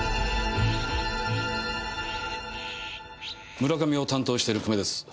村上を担当してる久米です。